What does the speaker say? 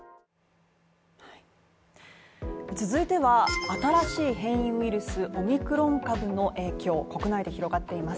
続いては新しい変異ウイルスオミクロン株の影響、国内で広がっています。